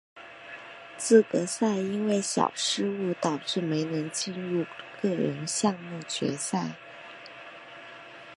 资格赛因为小失误导致没能进入个人项目决赛。